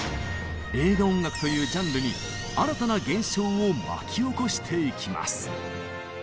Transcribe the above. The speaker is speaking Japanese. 映画音楽というジャンルに新たな現象を巻き起こしていきます。